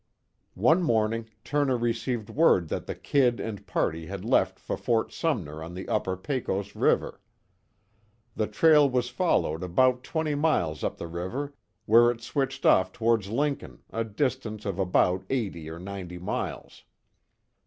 One morning, Turner received word that the "Kid" and party had left for Fort Sumner on the upper Pecos river. The trail was followed about twenty miles up the river, where it switched off towards Lincoln, a distance of about eighty or ninety miles.